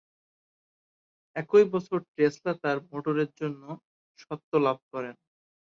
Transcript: একই বছর টেসলা তার মোটরের জন্য স্বত্ব লাভ করেন।